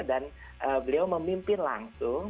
dan beliau memimpin langsung